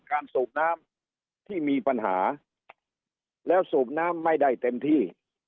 สูบน้ำที่มีปัญหาแล้วสูบน้ำไม่ได้เต็มที่